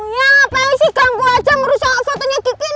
ya ngapain sih ganggu aja merusak fotonya gigi